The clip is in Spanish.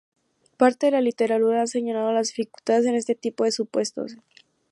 Parte de la literatura ha señalado las dificultades en este tipo de supuestos.